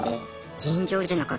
尋常じゃなかった。